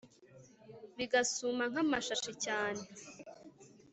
bigasuma nk'amashashi cyane